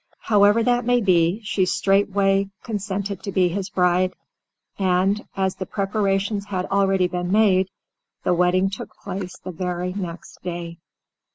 However that may be, she straightway consented to be his bride, and, as the preparations had already been made, the wedding took place the very next day.